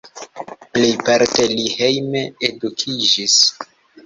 Plejparte li hejme edukiĝis.